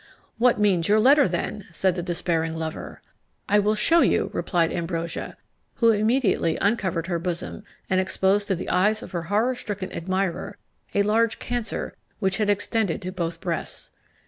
"What means your letter, then?" said the despairing lover. "I will shew you!" replied Ambrosia, who immediately uncovered her bosom, and exposed to the eyes of her horror stricken admirer a large cancer which had extended to both breasts.